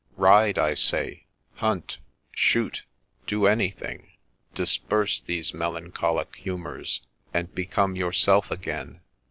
Ride, I say, hunt, shoot, do anything, — disperse these melan cholic humours, and become yourself again.'